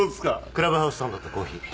クラブハウスサンドとコーヒー。